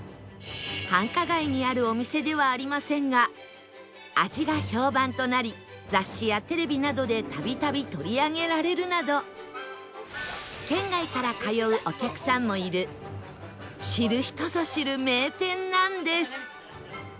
繁華街にあるお店ではありませんが味が評判となり雑誌やテレビなどで度々取り上げられるなど県外から通うお客さんもいる知る人ぞ知る名店なんです